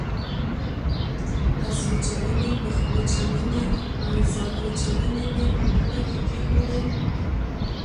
لاسوچونې، مخوچونې او ځانوچونی مې په غوټه کې کېښودل.